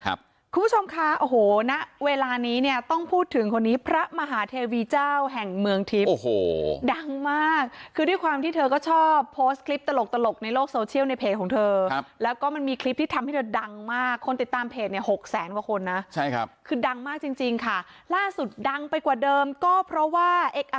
คุณผู้ชมค่ะโอ้โหณเวลานี้เนี่ยต้องพูดถึงคนนี้พระมหาเทวีเจ้าแห่งเมืองทิพย์โอ้โหดังมากคือด้วยความที่เธอก็ชอบโพสต์คลิปตลกตลกในโลกโซเชียลในเพจของเธอครับแล้วก็มันมีคลิปที่ทำให้เธอดังมากคนติดตามเพจเนี่ยหกแสนกว่าคนนะใช่ครับคือดังมากจริงจริงค่ะล่าสุดดังไปกว่าเดิมก็เพราะว่าเอกอ